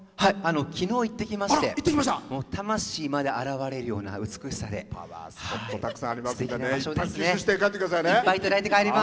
きのう行ってきまして魂まで洗われるような美しさですてきな場所ですね。